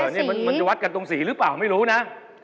นี่มันจะวัดกันตรงสีหรือเปล่าไม่รู้นะ